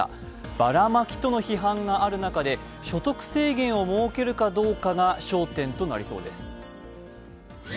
バラマキとの批判がある中で所得制限を設けるかどうかが焦点となりそうです。